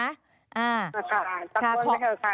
ตะโกนไหมคะค่ะ